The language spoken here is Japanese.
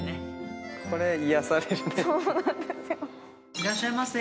これ癒やされるね。